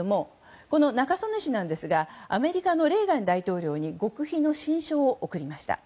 この中曽根氏ですがアメリカのレーガン大統領に極秘の親書を送りました。